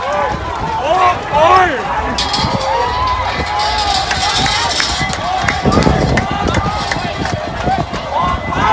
สวัสดีครับทุกคน